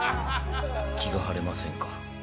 気が晴れませんか？